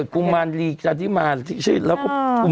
กูกุมานทองชื่ออะไรไม่รู้เนี่ยเจอแต่พี่จุก